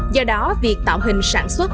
do đó việc tạo hình sản xuất